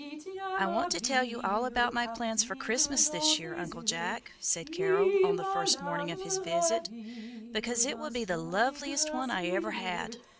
"I want to tell you all about my plans for Christmas this year, Uncle Jack," said Carol, on the first evening of his visit, "because it will be the loveliest one I ever had.